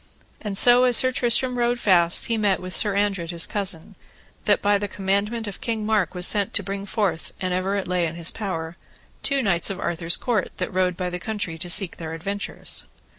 And so as Sir Tristram rode fast he met with Sir Andred his cousin, that by the commandment of King Mark was sent to bring forth, an ever it lay in his power, two knights of Arthur's court, that rode by the country to seek their adventures.